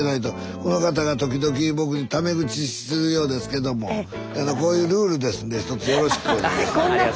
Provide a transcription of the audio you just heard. この方が時々僕にタメ口するようですけどもこういうルールですんでひとつよろしくお願いします。